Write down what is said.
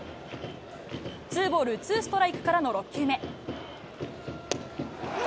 ツーボールツーストライクからの６球目。